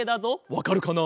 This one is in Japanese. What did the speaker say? わかるかな？